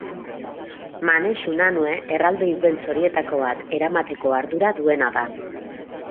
Manex Unanue erraldoi beltz horietako bat eramateko ardura duena da.